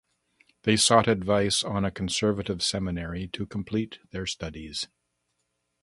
They sought advice on a conservative seminary to complete their studies.